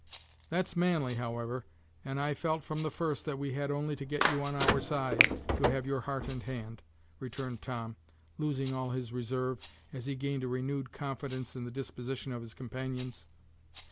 "That's manly, however, and I felt from the first that we had only to get you on our side, to have your heart and hand," returned Tom, losing all his reserve, as he gained a renewed confidence in the disposition of his companions.